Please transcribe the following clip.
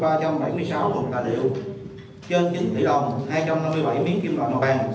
và tỉnh đồng nai đã thu dựa ba trăm bảy mươi sáu luật tài liệu trên chín tỷ đồng hai trăm năm mươi bảy miếng kim loại màu vàng